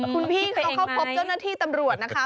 คุณพี่เขาเข้าพบเจ้าหน้าที่ตำรวจนะคะ